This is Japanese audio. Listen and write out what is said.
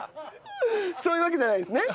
そういうわけじゃないんですね？